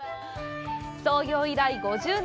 創業以来５０年。